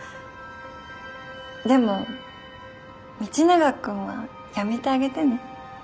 でも道永君はやめてあげてね。